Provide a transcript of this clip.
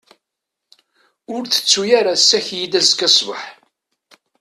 Ur tettu ara ssaki-iyi-d azekka ssbeḥ.